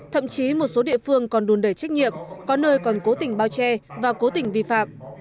thậm chí một số địa phương còn đùn đẩy trách nhiệm có nơi còn cố tình bao che và cố tình vi phạm